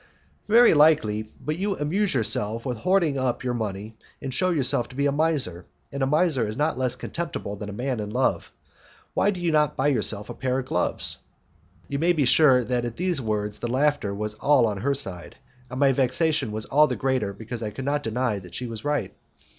"Very likely; but you amuse yourself with hoarding up your money, and shew yourself to be a miser, and a miser is not less contemptible than a man in love. Why do you not buy yourself a pair of gloves?" You may be sure that at these words the laughter was all on her side, and my vexation was all the greater because I could not deny that she was quite right.